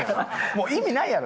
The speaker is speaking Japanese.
もう意味ないやろ。